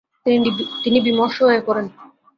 তিনি বিমর্ষ হয়ে পড়েন।